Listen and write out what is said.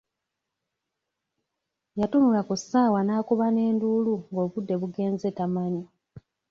Yatunula ku ssaawa n'akuba n'enduulu ng'obudde bugenze tamanyi.